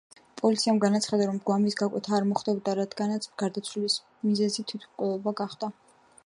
პოლიციამ განაცხადა, რომ გვამის გაკვეთა არ მოხდებოდა, რადგანაც გარდაცვალების მიზეზი თვითმკვლელობა გახდა.